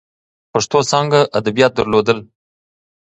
پښتو څانګه ادبیات درلودل.